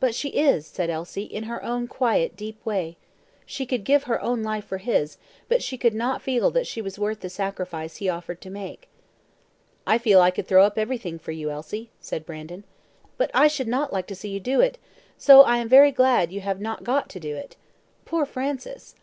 "But she is," said Elsie, "in her own quiet, deep way. She could give her own life for his; but she could not feel that she was worth the sacrifice he offered to make." "I feel I could throw up everything for you, Elsie," said Brandon. "But I should not like to see you do it, so I am very glad you have not got it to do. Poor Francis!"